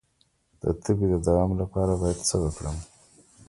د تبې د دوام لپاره باید څه وکړم؟